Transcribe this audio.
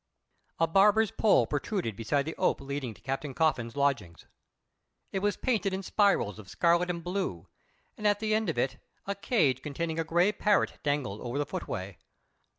A barber's pole protruded beside the ope leading to Captain Coffin's lodgings. It was painted in spirals of scarlet and blue, and at the end of it a cage containing a grey parrot dangled over the footway.